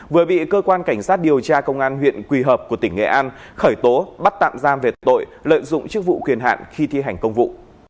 vừa bị cơ quan cảnh sát điều tra công an huyện quỳ hợp của tỉnh nghệ an khởi tố bắt tạm giam về tội lợi dụng chức vụ quyền hạn khi thi hành công vụ